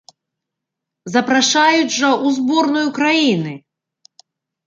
Запрашаюць жа ў зборную краіны!